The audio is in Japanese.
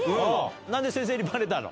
なんで先生にばれたの？